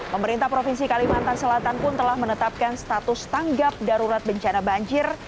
pemerintah provinsi kalimantan selatan pun telah menetapkan status tanggap darurat bencana banjir